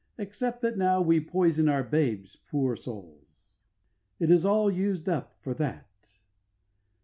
Except that now we poison our babes, poor souls! It is all used up for that.